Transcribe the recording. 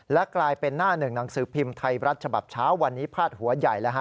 และกลายเป็นหน้าหนึ่งหนังสือพิมพ์ไทยรัฐฉบับเช้าวันนี้พาดหัวใหญ่แล้วฮะ